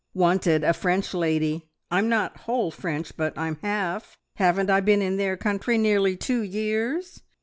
"`Wanted a French lady.' I'm not whole French, but I'm half. Haven't I been in their country nearly two years?